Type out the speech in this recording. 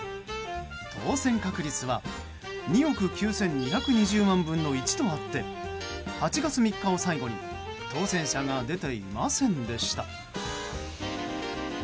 当せん確率は２億９２２０万分の１とあって８月３日を最後に当せん者が出ていませんでした。